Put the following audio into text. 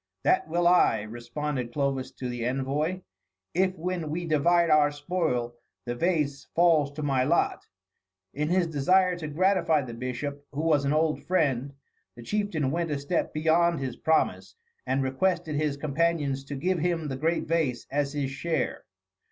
"That will I," responded Clovis to the envoy, "if when we divide our spoil the vase falls to my lot." In his desire to gratify the bishop, who was an old friend, the chieftain went a step beyond his promise and requested his companions to give him the great vase as his share.